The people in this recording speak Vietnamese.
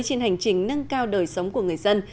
trên hành trình nâng cao đời sống của người dân